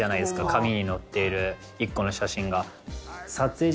紙に載っている１個の写真が。